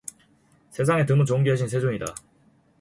세상에 드문 존귀하신 세존이다.